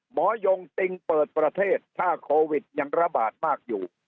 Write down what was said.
ยงติงเปิดประเทศถ้าโควิดยังระบาดมากอยู่